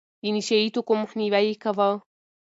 د نشه يي توکو مخنيوی يې کاوه.